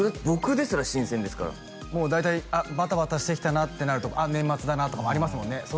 僕ですら新鮮ですからもう大体バタバタしてきたなってなるとあっ年末だなとかもありますもんね